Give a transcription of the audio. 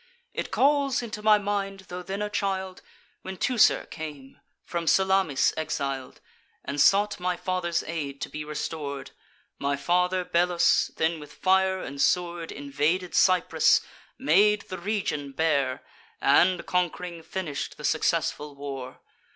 It calls into my mind, tho' then a child, When Teucer came, from Salamis exil'd, And sought my father's aid, to be restor'd: My father Belus then with fire and sword Invaded Cyprus, made the region bare, And, conqu'ring, finish'd the successful war.